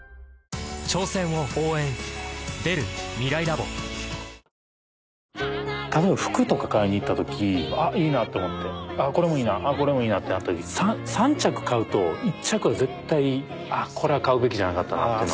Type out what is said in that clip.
トニックの前にはシャンプーも例えば服とか買いにいったときあっいいなと思ってこれもいいなこれもいいなってなったとき３着買うと１着は絶対あっこれは買うべきじゃなかったなって。